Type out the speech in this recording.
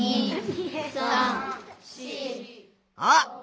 あ！